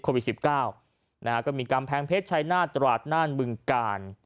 โควิดสิบเก้านะฮะก็มีกำแพงเพชรชัยนาตรวจนานบึงกาล